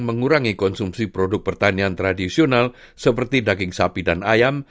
mengurangi konsumsi produk pertanian tradisional seperti daging sapi dan ayam